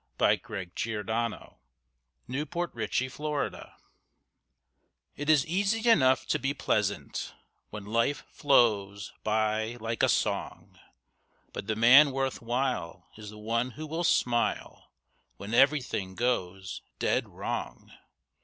153 POSSESSION 154 WORTH WHILE It is easy enough to be pleasant When life flows by like a song, But the man worth while is the one who will smile When everything goes dead wrong.